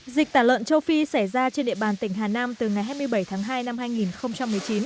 dịch tả lợn châu phi xảy ra trên địa bàn tỉnh hà nam từ ngày hai mươi bảy tháng hai năm hai nghìn một mươi chín